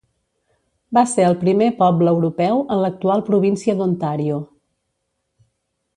Va ser el primer poble europeu en l'actual província d'Ontario.